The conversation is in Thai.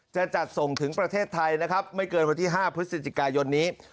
จะจัดส่งถึงประเทศไทยนะครับไม่เกินวันที่๕พฤศจิกายนนี้